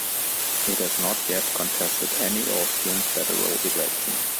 It has not yet contested any Austrian federal election.